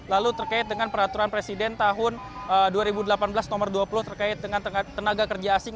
lalu terkait dengan peraturan presiden tahun dua ribu delapan belas nomor dua puluh terkait dengan tenaga kerja asing